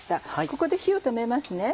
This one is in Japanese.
ここで火を止めますね。